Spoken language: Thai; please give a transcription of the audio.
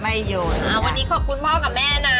วันนี้ขอบคุณพ่อกับแม่นะ